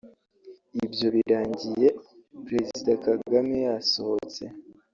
Ibyo birangiye Perezida Kagame yasohotse